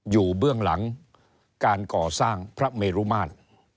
เบื้องหลังการก่อสร้างพระเมรุมาตร